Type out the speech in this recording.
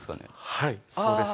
はいそうです。